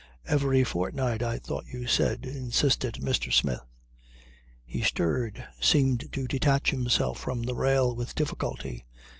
"Every fortnight, I thought you said," insisted Mr. Smith. He stirred, seemed to detach himself from the rail with difficulty.